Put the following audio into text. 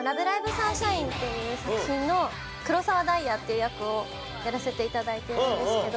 サンシャイン！！』っていう作品の黒澤ダイヤっていう役をやらせて頂いてるんですけど。